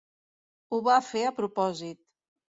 Ho va fer a propòsit.